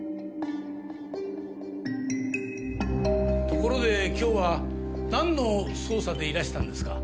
ところで今日はなんの捜査でいらしたんですか？